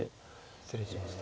失礼しました。